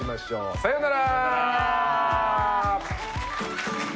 さよなら。